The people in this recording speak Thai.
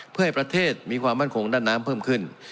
เพื่อให้ประเทศมีความมั่นคงด้านน้ำเพิ่มขึ้น